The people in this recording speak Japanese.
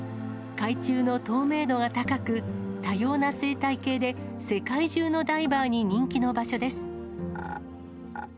海中の透明度が高く、多様な生態系で世界中のダイバーに人気の場所です。